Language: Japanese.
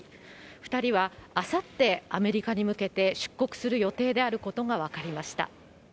２人はあさって、アメリカに向けて出国する予定であることが分かりました。